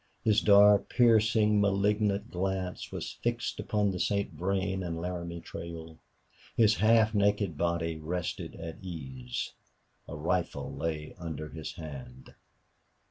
His dark, piercing, malignant glance was fixed upon the St. Vrain and Laramie Trail. His half naked body rested at ease; a rifle lay under his hand.